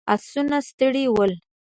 آسونه ستړي ول.